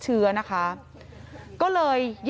ศพที่สอง